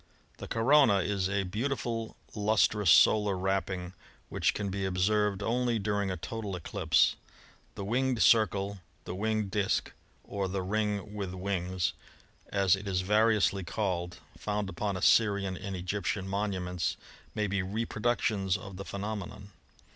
— The corona is a beautiful lustrous solar wrapping, which can be observed only during a total eclipse. The winged circle, the winged disk, or the ring with wings, as it is variously called, found upon Assyrian and Egyptian monuments, may be reproductions of the phe nomenon.